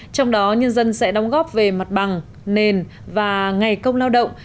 trong đó nhân dân sẽ đóng góp về mặt bằng nền và ngày công lao động